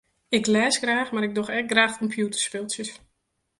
Ik lês graach mar ik doch ek graach kompjûterspultsjes.